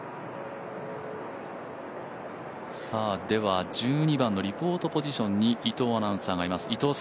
では、１２番のリポートポジションに伊藤アナウンサーがいます。